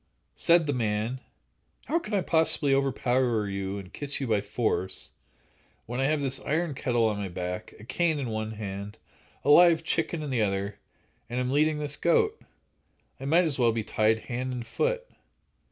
Said the man: "How can I possibly overpower you and kiss you by force, when I have this iron kettle on my back, a cane in one hand, a live chicken in the other, and am leading this goat? I might as well be tied hand and foot."